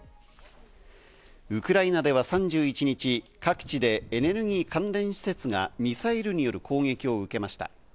ウクライナでは３１日、各地でエネルギー関連施設がミサイルによる攻撃を受けました。